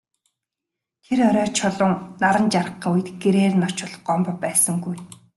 Тэр орой Чулуун наран жаргахын үед гэрээр нь очвол Гомбо байсангүй.